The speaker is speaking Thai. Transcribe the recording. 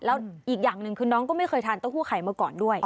แล้วอีกอย่างหนึ่งคือน้องก็ไม่เคยทานเต้าหู้ไข่มาก่อนด้วย